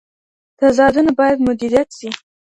تضادونه باید مدیریت سي.